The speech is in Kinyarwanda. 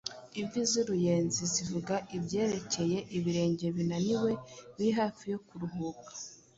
Imvi z’uruyenzi zivuga ibyerekeye ibirenge binaniwe, biri hafi yo kuruhuka,